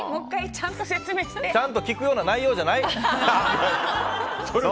ちゃんと聞くような内容じゃない！